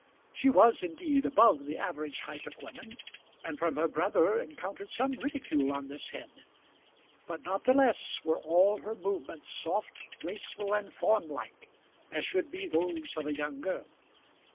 She was indeed above the average height of women, and from her brother encountered some ridicule on this head; but not the less were all her movements soft, graceful, and fawnlike as should be those of a young girl.